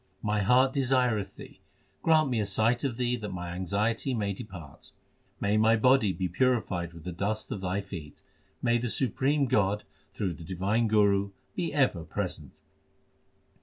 My heart desireth Thee ; grant me a sight of Thee that my anxiety may depart. May my body be purified with the dust of Thy feet ! May the supreme God through the divine Guru be ever present